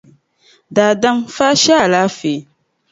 Daadam faashee alaafee.